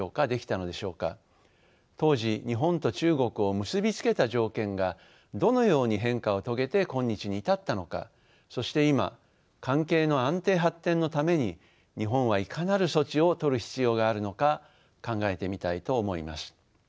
当時日本と中国を結び付けた条件がどのように変化を遂げて今日に至ったのかそして今関係の安定発展のために日本はいかなる措置を取る必要があるのか考えてみたいと思います。